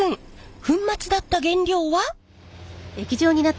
粉末だった原料は。